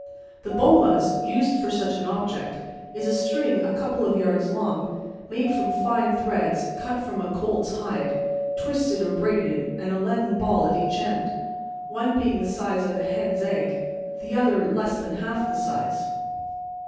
The bolas, used for such an object, is a string a couple of yards long, made from fine threads cut from a colt's hide, twisted or braided, and a leaden ball at each end, one being the size of a hen's egg, the other less than half the size.